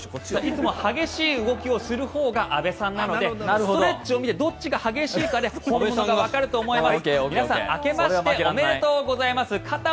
いつも激しい動きをするほうが安部さんなのでストレッチを見てどっちが激しいかで本物かわかると思います。